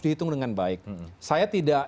dihitung dengan baik saya tidak